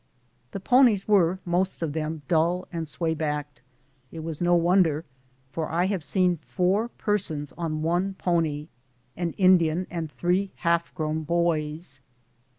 The ponies were, most of them, dull and sway backed. It was no wonder, for I have seen four persons on one pony — an Indian and three half grown boys.